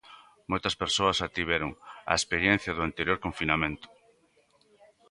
Moitas persoas xa tiveron a experiencia do anterior confinamento.